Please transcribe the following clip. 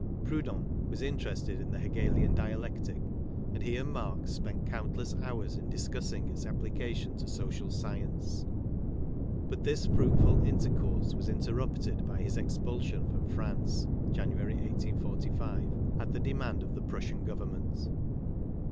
Proudhon was interested in the Hegelian dialectic, and he and Marx spent countless hours in discussing its application to social science. But this fruitful intercourse was inter rupted by his expulsion from France (January, 1845) at the demand of the Prussian Government.